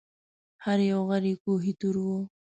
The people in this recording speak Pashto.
هر یو غر یې کوه طور و